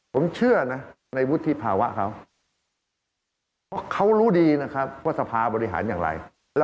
ผมเชื่อในวุฒิภาวะเขาเพราะเขารู้ดีว่าสภาบริหารอย่างนี้